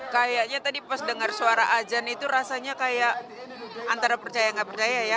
kayaknya tadi pas dengar suara ajan itu rasanya kayak antara percaya nggak percaya ya